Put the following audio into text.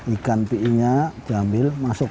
ikan piinya diambil masuk